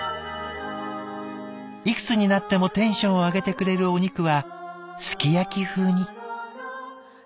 「いくつになってもテンションを上げてくれるお肉はすき焼き風に。